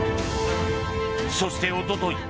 そして、おととい